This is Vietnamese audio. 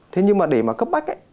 thế nhưng mà để mà cấp bách ấy